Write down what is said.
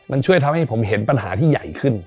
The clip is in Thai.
มันช่วยทำให้ผมเห็นปัญหาที่ใหญ่ขึ้น